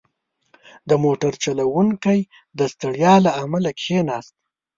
• د موټر چلوونکی د ستړیا له امله کښېناست.